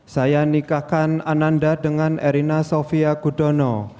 saya nikahkan ananda dengan erina sofia gudono